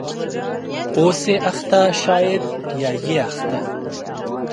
.اوسې اخته شاید یا یې اخته